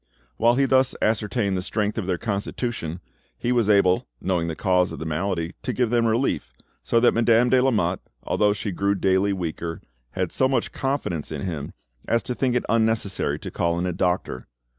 While he thus ascertained the strength of their constitution, he was able, knowing the cause of the malady, to give them relief, so that Madame de Lamotte, although she grew daily weaker, had so much confidence in him as to think it unnecessary to call in a doctor.